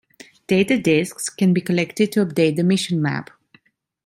Data Discs can be collected to update the mission map.